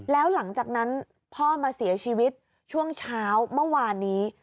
แล้วหลังจากนั้นพ่อมาเสียชีวิตช่วงเช้าเมื่อวานนี้